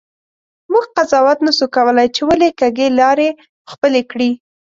مونږ قضاوت نسو کولی چې ولي کږې لیارې خپلي کړي.